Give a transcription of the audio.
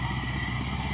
oke baik pak iwan